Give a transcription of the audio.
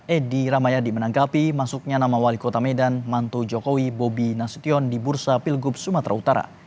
edi ramayadi menanggapi masuknya nama wali kota medan mantu jokowi bobi nasution di bursa pilgub sumatera utara